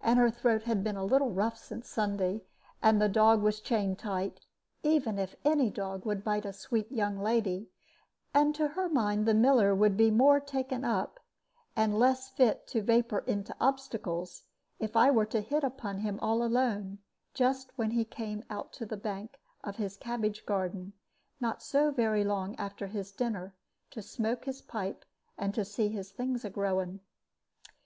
And her throat had been a little rough since Sunday, and the dog was chained tight, even if any dog would bite a sweet young lady; and to her mind the miller would be more taken up and less fit to vapor into obstacles, if I were to hit upon him all alone, just when he came out to the bank of his cabbage garden, not so very long after his dinner, to smoke his pipe and to see his things a growing.